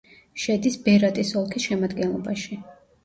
შედის ბერატის ოლქის შემადგენლობაში.